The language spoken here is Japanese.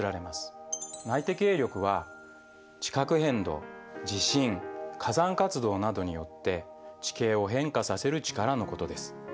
内的営力は地殻変動・地震・火山活動などによって地形を変化させる力のことです。